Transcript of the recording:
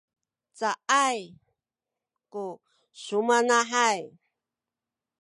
cacay ku sumanahay